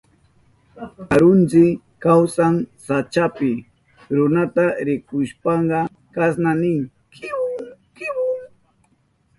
Karuntsi kawsan sachapi. Runata rikushpanka kasna nin: kibon kibon.